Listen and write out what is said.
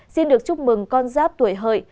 xin được chúc mừng con giáp tuổi hợi